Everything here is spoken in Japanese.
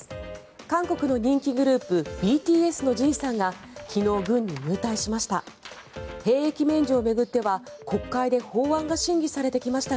韓国の人気グループＢＴＳのＪＩＮさんが昨日、軍に入隊しました。